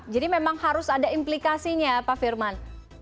jadi memang harus ada implikasinya pak firman